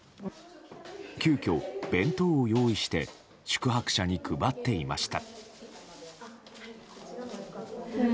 急きょ、弁当を用意して宿泊者に配っていました。